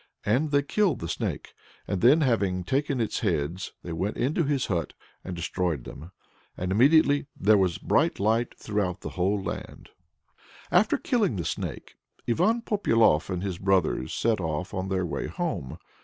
And they killed the Snake, and then, having taken his heads, they went into his hut and destroyed them. And immediately there was bright light throughout the whole land. After killing the Snake, Ivan Popyalof and his brothers set off on their way home.